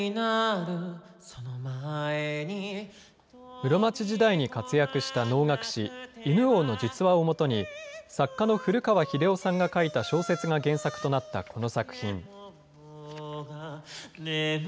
室町時代に活躍した能楽師、犬王の実話をもとに、作家の古川日出男さんが書いた小説が原作となったこの作品。